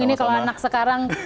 ini kalau anak sekarang